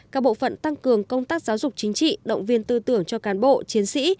các bộ phận tăng cường công tác giáo dục chính trị động viên tư tưởng cho cán bộ chiến sĩ